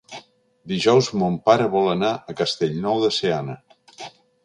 Dijous mon pare vol anar a Castellnou de Seana.